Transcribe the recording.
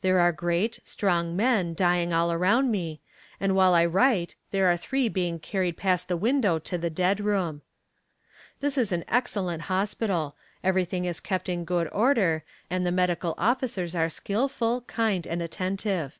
There are great, strong men dying all around me, and while I write there are three being carried past the window to the dead room. This is an excellent hospital everything is kept in good order, and the medical officers are skillful, kind and attentive."